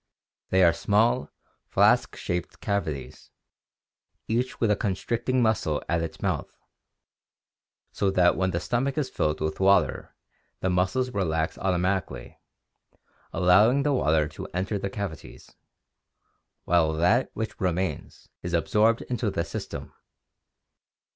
These are small flask shaped cavities, each with a constricting muscle at its mouth, so that when the stomach is filled with water the muscles relax automatically, allow ing the water to enter the cavities, while that which remains is absorbed into the system.